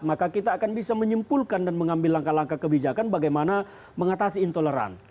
maka kita akan bisa menyimpulkan dan mengambil langkah langkah kebijakan bagaimana mengatasi intoleran